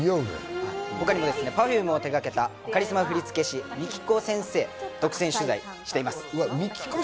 他にＰｅｒｆｕｍｅを手がけたカリスマ振付師・ＭＩＫＩＫＯ先生を独占取材。